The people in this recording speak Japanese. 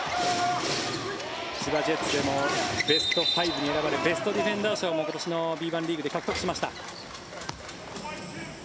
千葉ジェッツでもベスト５に選ばれてベストディフェンダー賞も今年のＢ１リーグで獲得しました。